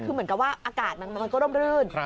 คือเหมือนกับว่าอากาศมันก็ร่มรื่น